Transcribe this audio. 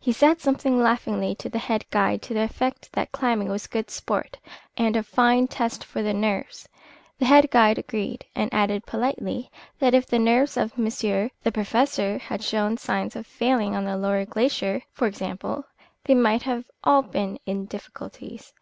He said something laughingly to the head guide to the effect that climbing was good sport and a fine test for the nerves. The head guide agreed, and added politely that if the nerves of monsieur the Professor had shown signs of failing on the lower glacier, for example, they might all have been in difficulties.